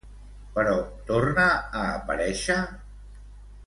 Però torna a aparèixer?